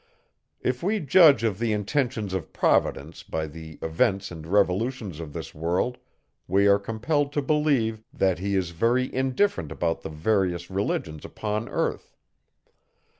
If we judge of the intentions of Providence by the events and revolutions of this world, we are compelled to believe, that He is very indifferent about the various religions upon earth.